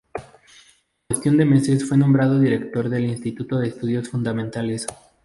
En cuestión de meses, fue nombrado director del Instituto de Estudios Fundamentales.